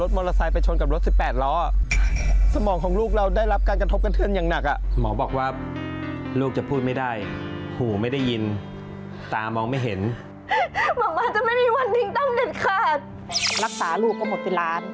สวัสดีครับสวัสดีครับ